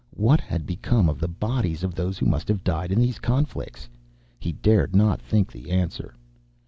What had become of the bodies of those who must have died in these conflicts? He dared not think the answer.